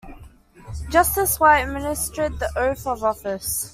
Justice White administered the oath of office.